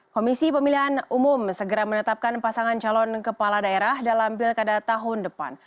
komisi pemilihan umum segera menetapkan pasangan calon kepala daerah dalam pilkada tahun depan